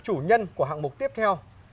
chủ nhân của hạng mục tiếp theo